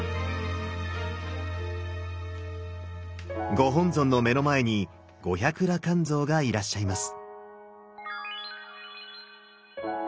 ご本尊の目の前に五百羅漢像がいらっしゃいます。